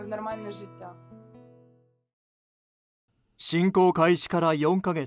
侵攻開始から４か月。